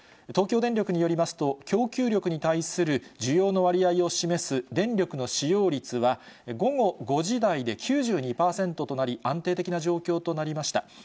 東京電力によりますと、供給力に対する需要の割合を示す電力の使用率は、午後５時台で９２％となり、安定的な状況となりました。